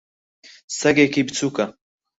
سەگێکی بچووکە.